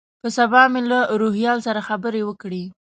په سبا مې له روهیال سره خبرې وکړې.